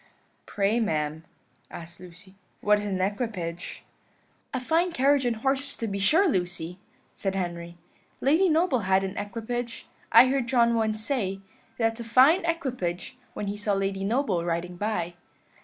"Pray, ma'am," asked Lucy, "what is an equipage?" "A fine carriage and horses, to be sure, Lucy," said Henry. "Lady Noble had an equipage. I heard John once say, 'That's a fine equipage,' when he saw Lady Noble riding by."